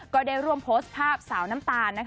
ก็ได้ร่วมโพสต์ภาพสาวน้ำตาล